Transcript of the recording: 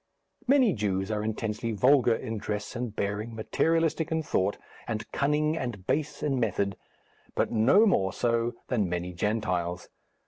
Many Jews are intensely vulgar in dress and bearing, materialistic in thought, and cunning and base in method, but no more so than many Gentiles.